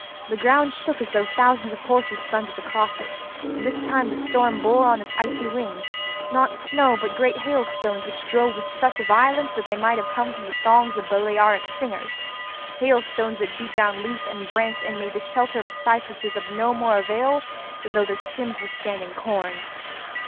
The ground shook as though thousands of horses thundered across it; and this time the storm bore on its icy wings, not snow, but great hailstones which drove with such violence that they might have come from the thongs of Balearic slingers—hailstones that beat down leaf and branch and made the shelter of the cypresses of no more avail than though their stems were standing corn.